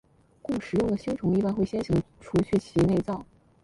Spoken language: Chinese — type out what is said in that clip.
供食用的星虫一般会先行除去其内脏。